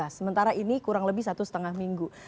sementara ini kurang lebih satu setengah minggu